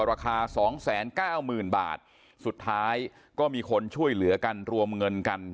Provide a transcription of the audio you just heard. ราคา๒๙๐๐๐๐บาทสุดท้ายก็มีคนช่วยเหลือกันรวมเงินกัน